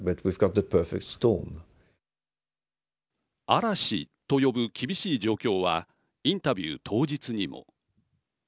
嵐と呼ぶ厳しい状況はインタビュー当日にも。